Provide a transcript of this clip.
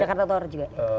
jakarta barat juga